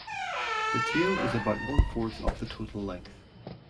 The tail is about one-fourth of the total length.